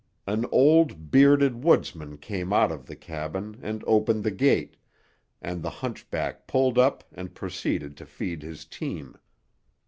An old, bearded woodsman came out of the cabin and opened the gate, and the hunchback pulled up and proceeded to feed his team.